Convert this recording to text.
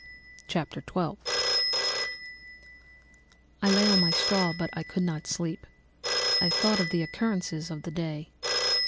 Chapter 12 "I lay on my straw, but I could not sleep. I thought of the occurrences of the day.